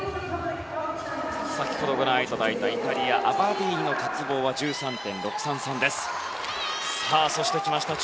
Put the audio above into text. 先ほどご覧いただいたイタリアのアバディーニの鉄棒は１３．６３３でした。